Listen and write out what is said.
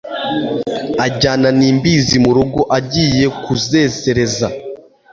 Ajyana n' imbizi mu rugo Agiye kuzesereza